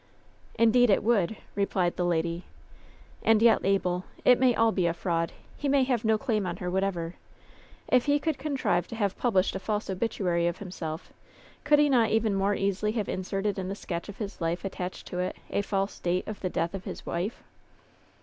"Indeed it would !" replied the lady. "And yet, Abel, it may all be a fraud. He may have no claim on her whatever. If he could contrive to have published a false obituary of himself, could he not even more easily have inserted in the sketch of his life attached to it a false date of the death of his wife